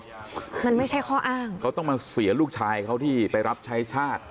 มันไม่ใช่ข้ออ้างเขาต้องมาเสียลูกชายเขาที่ไปรับใช้ชาติ